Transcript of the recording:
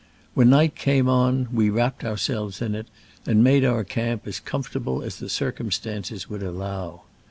When night came on we wrap ped ourselves in it, and made our camp as comfortable as the circumstances would allow.